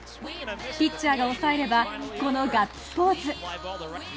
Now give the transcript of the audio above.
ピッチャーが抑えれば、このガッツポーズ。